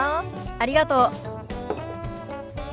ありがとう。